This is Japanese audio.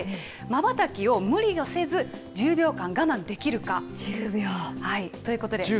まばたきを無理をせず、１０秒間我慢できるか。ということで。